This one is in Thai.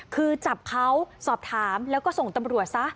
คือจับเขาสอบถามแล้วก็ส่งตำรวจซะ